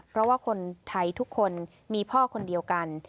เพราะว่าคนไทยทุกคนมีพ่อคนเดียวกัน